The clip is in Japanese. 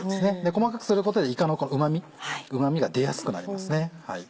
細かくすることでいかのうま味うま味が出やすくなりますね。